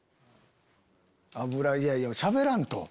いやいやしゃべらんと！